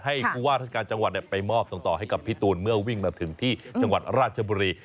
ผู้ว่าราชการจังหวัดไปมอบส่งต่อให้กับพี่ตูนเมื่อวิ่งมาถึงที่จังหวัดราชบุรี